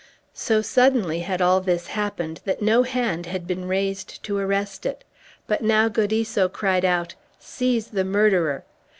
So suddenly had all this happened that no hand had been raised to arrest it; but now Gaudisso cried out, "Seize the murderer!"